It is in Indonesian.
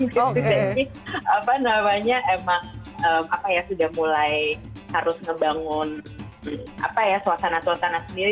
jadi apa namanya emang apa ya sudah mulai harus ngebangun apa ya suasana suasana sendiri